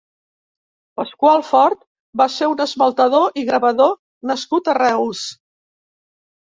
Pascual Fort va ser un esmaltador i gravador nascut a Reus.